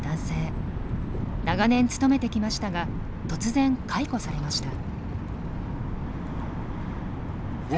長年勤めてきましたが突然解雇されました。